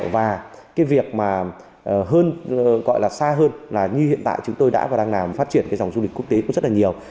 và cái việc mà hơn gọi là xa hơn là như hiện tại chúng tôi đã và đang làm phát triển cái dòng du lịch quốc tế cũng rất là nhiều